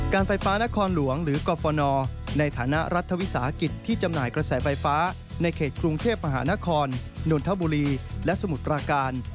ไฟฟ้านครหลวงหรือกรฟนในฐานะรัฐวิสาหกิจที่จำหน่ายกระแสไฟฟ้าในเขตกรุงเทพมหานครนนทบุรีและสมุทรปราการ